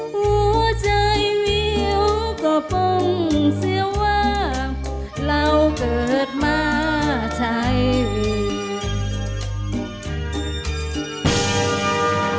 หัวใจวิวก็พงเสียว่าเราเกิดมาใช่วิว